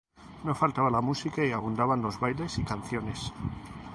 No falta la música y abundan los bailes y canciones.